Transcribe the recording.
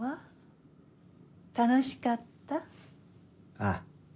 ああ。